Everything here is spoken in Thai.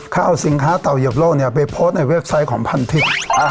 เขาเอาสินค้าเต่าเหยียบโลกไปโพสต์ในเว็บไซต์ของพันทิพย์